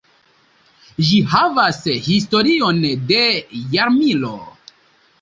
Ĝi havas historion de jarmilo.